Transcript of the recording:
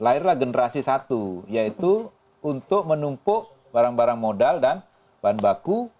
lahirlah generasi satu yaitu untuk menumpuk barang barang modal dan bahan baku